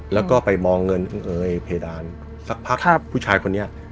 แล้วก็ไปมองเงินเอ่ยเพดานสักพักผู้ชายคนนี้